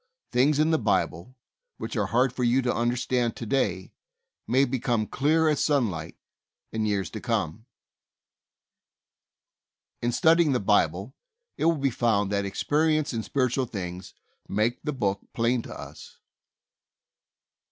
Things in the Bible, which are hard for you to understand to day, may be come clear as sunlight in years to come. BIBLE STUDY. 167 In studying the Bible it will be found that experience in spiritual things makes the Book plain to us.